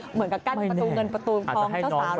เหมือนกับกั้นประตูเงินประตูทองเจ้าสาว